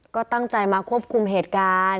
ก็ตั้งใจมาควบคุมเหตุการณ์